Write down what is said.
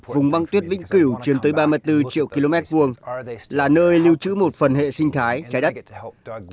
vùng băng tuyết vĩnh cửu chiến tới ba mươi bốn triệu km hai là nơi lưu trữ một phần hệ sinh thái trái đất